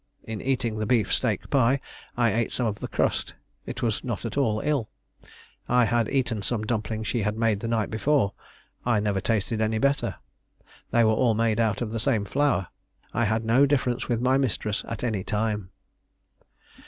In eating the beef steak pie, I ate some of the crust. I was not at all ill. I had eaten some dumplings she had made the night before: I never tasted any better. They were all made out of the same flour. I had no difference with my mistress at any time.